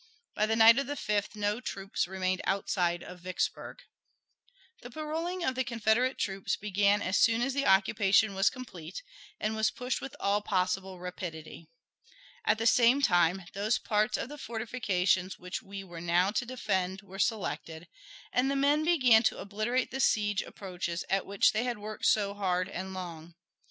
By the night of the 5th no troops remained outside of Vicksburg. The paroling of the Confederate troops began as soon as the occupation was complete, and was pushed with all possible rapidity. At the same time those parts of the fortifications which we were now to defend were selected, and the men began to obliterate the siege approaches at which they had worked so hard and so long.